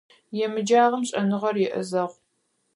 Емыджагъэм шӏэныгъэр иӏэзэгъу.